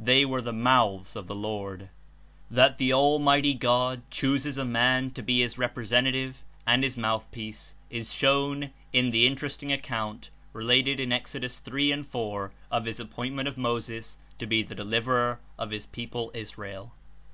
They were the "mouths" of the Lord. That the Almighty God chooses a man to be his representative and his mouthpiece Is shown In the Interesting account, related In Exodus 3 and 4, of his appointment of Moses to be the Deliverer of his people Israel.